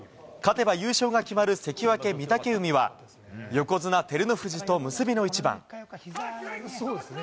勝てば優勝が決まる関脇・御嶽海は横綱・照ノ富士と結びの一番。